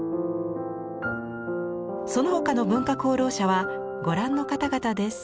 その他の文化功労者はご覧の方々です。